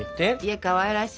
かわいらしい。